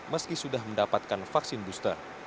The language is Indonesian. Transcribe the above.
meski sudah mendapatkan vaksin booster